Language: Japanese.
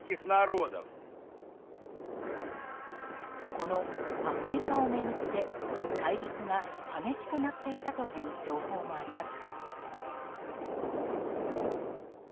このアフリカを巡って対立が激しくなっていたという情報もあります。